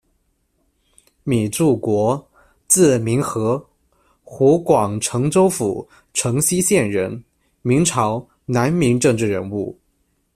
米助国，字民和，湖广辰州府辰溪县人，明朝、南明政治人物。